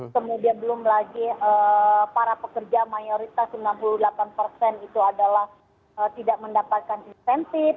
kemudian belum lagi para pekerja mayoritas sembilan puluh delapan persen itu adalah tidak mendapatkan insentif